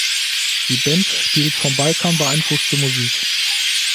Die Band spielt vom Balkan beeinflusste Musik.